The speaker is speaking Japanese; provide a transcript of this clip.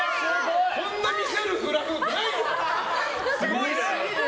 こんな見せるフラフープないよ。